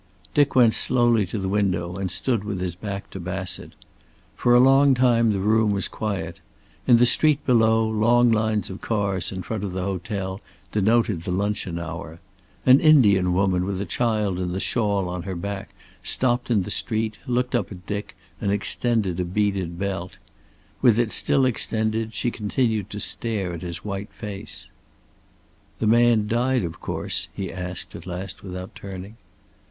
Dick went slowly to the window, and stood with his back to Bassett. For a long time the room was quiet. In the street below long lines of cars in front of the hotel denoted the luncheon hour. An Indian woman with a child in the shawl on her back stopped in the street, looked up at Dick and extended a beaded belt. With it still extended she continued to stare at his white face. "The man died, of course?" he asked at last, without turning.